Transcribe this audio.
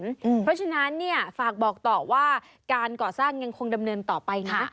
เพราะฉะนั้นเนี่ยฝากบอกต่อว่าการก่อสร้างยังคงดำเนินต่อไปนะ